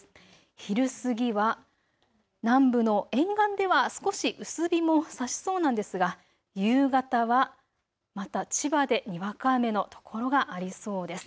昼過ぎは南部の沿岸では少し薄日もさしそうなんですが夕方はまた千葉でにわか雨の所がありそうです。